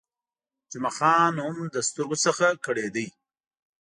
جمعه خان هم له سترګو څخه کړېده.